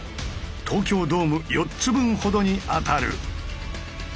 東京ドーム４つ分ほどに当たる。